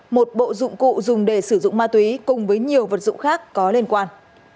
một bộ dụng cụ dùng để sử dụng ma túy cùng với nhiều vật dụng khác có liên quan